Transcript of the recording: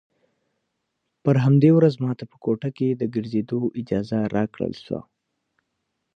پر همدې ورځ ما ته په کوټه کښې د ګرځېدو اجازه راکړل سوه.